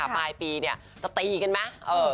ปลายปีจะตีกันไหม